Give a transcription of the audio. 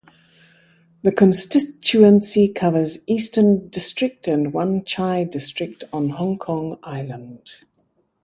The constituency covers Eastern District and Wan Chai District on Hong Kong Island.